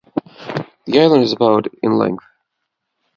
The island is about in length.